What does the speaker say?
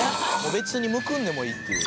別にむくんでもいいっていう。